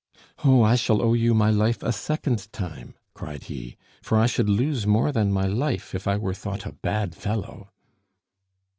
"Oh, I shall owe you my life a second time!" cried he, "for I should lose more than my life if I were thought a bad fellow."